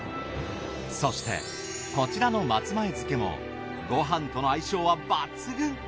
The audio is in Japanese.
そしてこちらの松前漬けもご飯との相性は抜群。